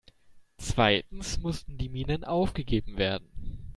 Zweitens mussten die Minen aufgegeben werden.